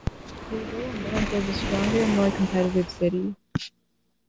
We will emerge as a stronger and more competitive city.